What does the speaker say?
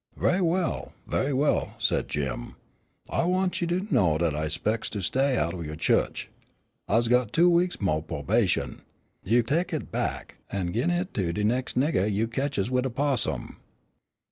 "Ve'y well, ve'y well," said Jim, "I wants you to know dat I 'specs to stay out o' yo' chu'ch. I's got two weeks mo' p'obation. You tek hit back, an' gin hit to de nex' niggah you ketches wid a 'possum."